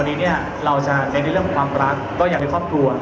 เดี๋ยวมาดูลายมือเบาครั้งแรกเลยนะครับ